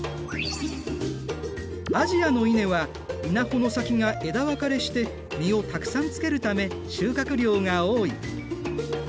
アジアの稲は稲穂の先が枝分かれして実をたくさんつけるため収穫量が多い。